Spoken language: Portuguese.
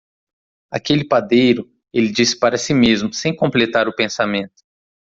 "Aquele padeiro..." ele disse para si mesmo, sem completar o pensamento.